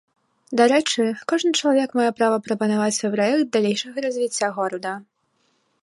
Дарэчы, кожны чалавек мае права прапанаваць свой праект далейшага развіцця горада.